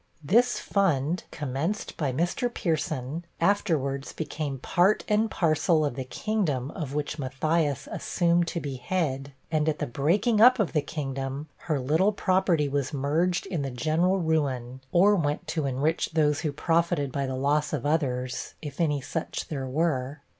This fund, commenced by Mr. Pierson, afterwards became part and parcel of the kingdom of which Matthias assumed to be head; and at the breaking up of the kingdom, her little property was merged in the general ruin or went to enrich those who profited by the loss of others, if any such there were.